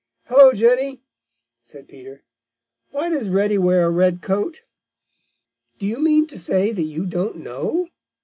"Hello, Jenny!" said Peter. "Why does Reddy wear a red coat?" "Do you mean to say that you don't know?"